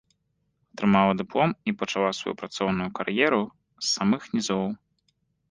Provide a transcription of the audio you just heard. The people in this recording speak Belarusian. Атрымала дыплом і пачала сваю працоўную кар'еру з самых нізоў.